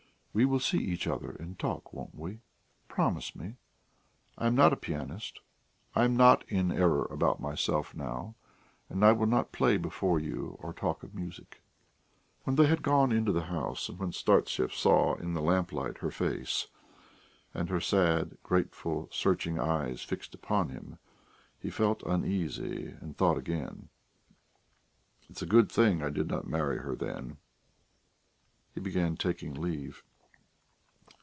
"We will see each other and talk, won't we? Promise me. I am not a pianist; I am not in error about myself now, and I will not play before you or talk of music." When they had gone into the house, and when Startsev saw in the lamplight her face, and her sad, grateful, searching eyes fixed upon him, he felt uneasy and thought again: "It's a good thing I did not marry her then." He began taking leave.